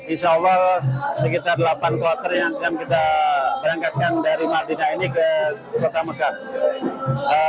insya allah sekitar delapan kloter yang akan kita berangkatkan dari madinah ini ke kota mekah